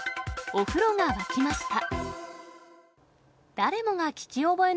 お風呂が沸きました。